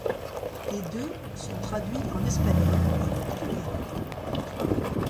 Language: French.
Les deux sont traduits en espagnol et en portugais.